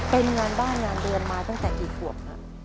เป็นงานบ้านงานเดือนมาตั้งแต่กี่ขวบครับ